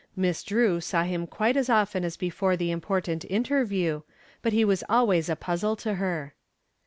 Miss Drew saw him quite as often as before the important interview, but he was always a puzzle to her.